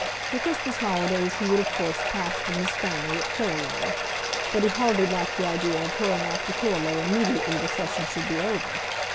The Christmas holidays he would of course pass with his family at Killaloe, but he hardly liked the idea of hurrying off to Killaloe immediately the session should be over.